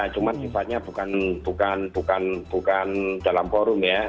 cuman sifatnya bukan dalam forum ya